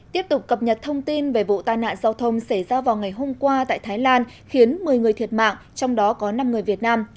tiếp tục cập nhật thông tin về vụ tai nạn giao thông xảy ra vào ngày hôm qua tại thái lan khiến một mươi người thiệt mạng trong đó có năm người việt nam